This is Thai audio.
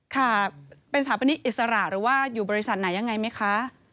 ค่ะเป็นสถาปนิกอิสระหรือว่าอยู่บริษัทไหนยังไงไหมคะ